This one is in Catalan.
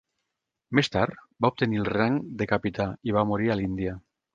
Més tard va obtenir el rang de capità i va morir a l'Índia.